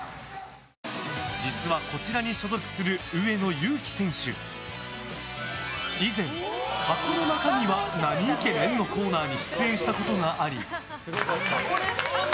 実は、こちらに所属する上野勇希選手以前箱の中身はなにイケメン？のコーナーに出演したことがあり。